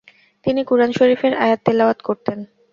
তিনি কুরআন শরীফের আয়াত তেলাওয়াত করতেন।